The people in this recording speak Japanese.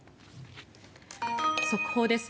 速報です。